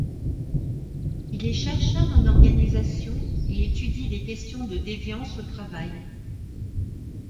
Il est chercheur en organisation et étudie les questions de déviance au travail.